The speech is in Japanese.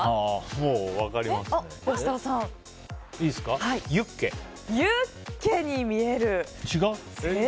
もう、分かりますね。